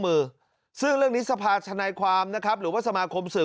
มือซึ่งเรื่องนี้สภาธนายความนะครับหรือว่าสมาคมสื่อ